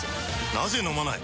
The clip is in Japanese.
なぜ飲まない？